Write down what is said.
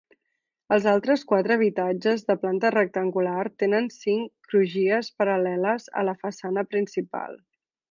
Els altres quatre habitatges, de planta rectangular, tenen cinc crugies paral·leles a la façana principal.